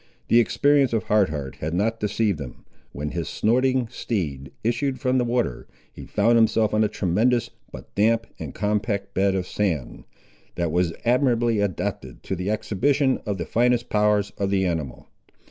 The experience of Hard Heart had not deceived him. When his snorting steed issued from the water, he found himself on a tremendous but damp and compact bed of sand, that was admirably adapted to the exhibition of the finest powers of the animal.